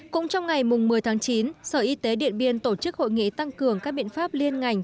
cũng trong ngày một mươi tháng chín sở y tế điện biên tổ chức hội nghị tăng cường các biện pháp liên ngành